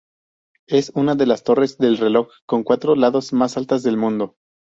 Es una de las torres del reloj con cuatro lados más altas del mundo.